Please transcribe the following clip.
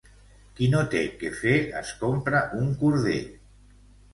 Qui no té quefer es compra un corder.